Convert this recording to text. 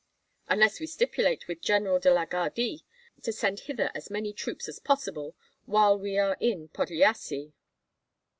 "Unless we stipulate with General de la Gardie to send hither as many troops as possible, while we are in Podlyasye."